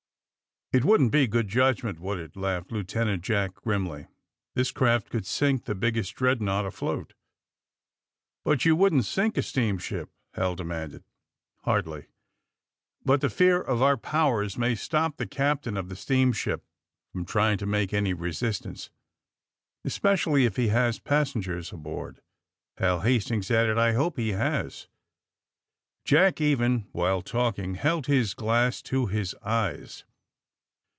It wouldn't be good judgment, would itf" laughed Lieutenant Jack grimly. This craft could sink the biggest dreadnaught afloat!" *^But you wouldn't sink a steamship?" Hal demanded. *^ Hardly, but the fear of our powers may stop the captain of the steamship from trying to make any resistance." *' Especially if he has passengers aboard," Hal Hastings added. I hope he has." Jack, even while talking, held his glass to his eyes.